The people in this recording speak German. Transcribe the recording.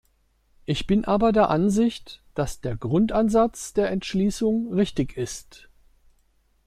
Ich bin aber der Ansicht, dass der Grundansatz der Entschließung richtig ist.